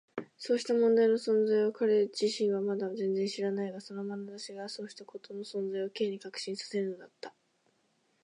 そうした問題の存在を彼自身はまだ全然知らないが、そのまなざしがそうしたことの存在を Ｋ に確信させるのだった。